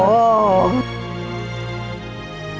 โอ้โห